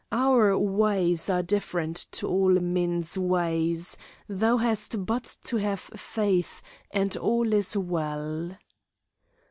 Our ways are different to all men's ways; thou hast but to have faith, and all is well."